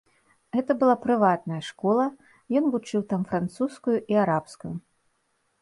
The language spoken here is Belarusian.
Гэта была прыватная школа, ён вучыў там французскую і арабскую.